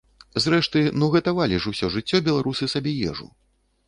Зрэшты, ну гатавалі ж усё жыццё беларусы сабе ежу!